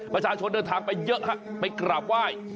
ประชาชนเดินทางไปเยอะฮะไปกราบไหว้